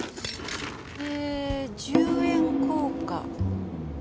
えー１０円硬貨。